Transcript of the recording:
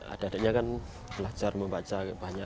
adanya kan belajar membaca banyak